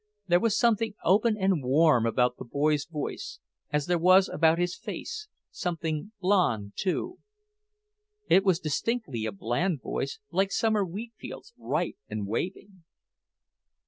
There was something open and warm about the boy's voice, as there was about his face something blond, too. It was distinctly a bland voice, like summer wheatfields, ripe and waving.